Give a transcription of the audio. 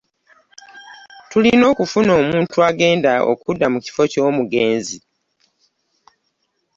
Tulina okufuna omuntu agenda okudda mu kiffo ky'omugenzi.